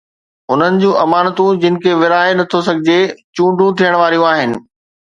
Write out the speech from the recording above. انهن جون امانتون، جن کي ورهائي نٿو سگهجي، چونڊون ٿيڻ واريون آهن.